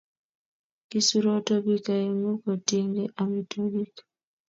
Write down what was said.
Kisuroto pik aengu kotienge amitwokik